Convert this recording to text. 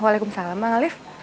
waalaikumsalam bang alif